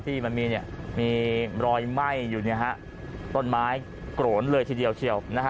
ที่มันมีเนี่ยมีรอยไหม้อยู่เนี่ยฮะต้นไม้โกรนเลยทีเดียวเชียวนะฮะ